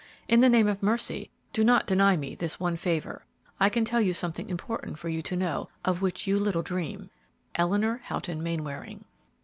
In the name of mercy, do not deny me this one favor. I can tell you something important for you to know, of which you little dream. "ELEANOR HOUGHTON MAINWARING."